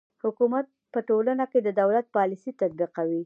حکومت په ټولنه کې د دولت پالیسي تطبیقوي.